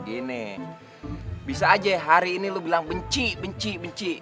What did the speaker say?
gini bisa aja hari ini lo bilang benci benci benci